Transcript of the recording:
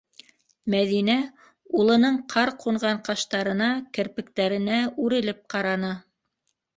Мәҙинә улының ҡар ҡунған ҡаштарына, керпектәренә үрелеп ҡараны.